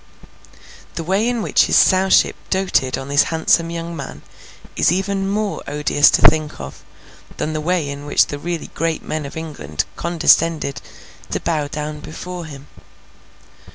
The way in which his Sowship doted on this handsome young man, is even more odious to think of, than the way in which the really great men of England condescended to bow down before him.